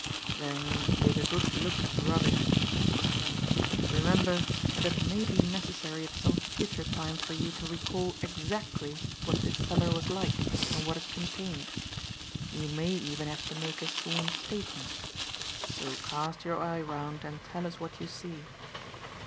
"Then take a good look at the rubbish," said he. "Remember that it may be necessary at some future time for you to recall exactly what this cellar was like, and what it contained. You may even have to make a sworn statement. So cast your eye round and tell us what you see."